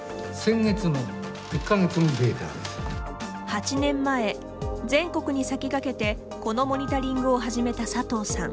８年前全国に先駆けてこのモニタリングを始めた佐藤さん。